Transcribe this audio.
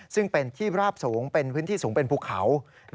ซึ่งเป็นที่ราบสูงเป็นพื้นที่สูงเป็นภูเขา